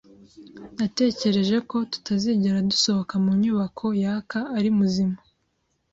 Natekereje ko tutazigera dusohoka mu nyubako yaka ari muzima.